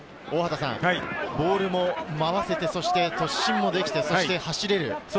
ボールも回せて、そして突進もできて走れる。